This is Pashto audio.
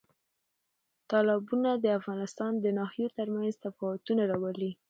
تالابونه د افغانستان د ناحیو ترمنځ تفاوتونه راولي.